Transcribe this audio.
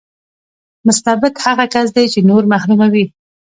مستبد هغه کس دی چې نور محروموي.